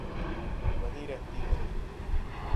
وہیں رہتی ہے۔